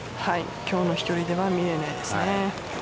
今日の飛距離では見えないですね。